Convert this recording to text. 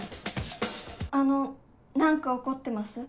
あの何か怒ってます？